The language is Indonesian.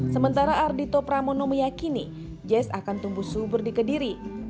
sementara ardhito pramono meyakini jazz akan tumbuh subur di kediri